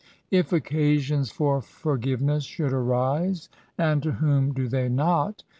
If occasions for forgiveness should arise, ^ 210 BISAT8. (and to whom do they not?)